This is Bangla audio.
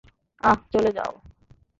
আহ, চলে যাও!